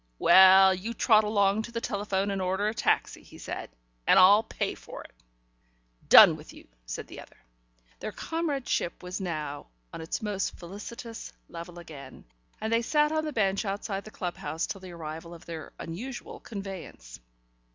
"Well, you trot along to the telephone and order a taxi," he said, "and I'll pay for it." "Done with you," said the other. Their comradeship was now on its most felicitous level again, and they sat on the bench outside the club house till the arrival of their unusual conveyance.